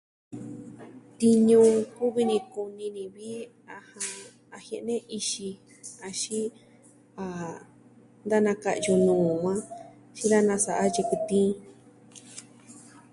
Tiñu kuvi ni kuni ni ni vi, ajan, a jie'ne ixi axin, da naka'yu nuu on majan jin dasa'a yɨkɨ tiin.